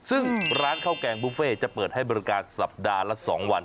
ซึ่งร้านข้าวแกงบุฟเฟ่จะเปิดให้บริการสัปดาห์ละ๒วัน